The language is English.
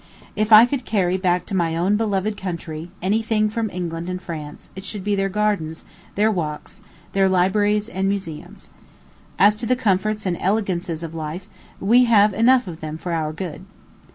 If I could carry back to my own beloved country any thing from England or France, it should be their gardens, their walks, their libraries and museums. As to the comforts and elegances of life, we have enough of them for our good.